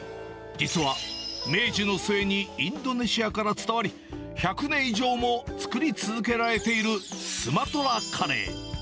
実は明治の末にインドネシアから伝わり、１００年以上も作り続けられているスマトラカレー。